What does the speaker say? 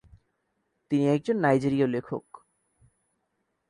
তিনি একজন নাইজেরীয় লেখক।